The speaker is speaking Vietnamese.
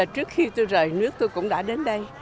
trước khi tôi rời nước tôi cũng đã đến đây